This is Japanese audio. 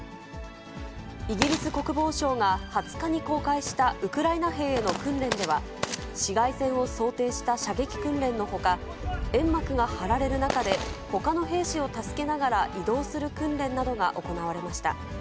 イギリス国防省が２０日に公開したウクライナ兵への訓練では、市街戦を想定した射撃訓練のほか、煙幕が張られる中でほかの兵士を助けながら移動する訓練などが行われました。